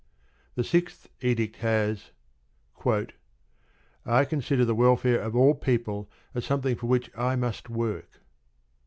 The Sixth Edict has: I consider the welfare of all people as something for which I must work.